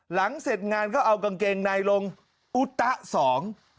หลังเศรษฐ์งานก็เอากางเกงในลงศัตรูสอง